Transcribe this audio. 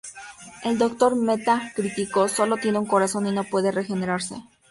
El Doctor "Meta-Crítico" sólo tiene un corazón y no puede regenerarse.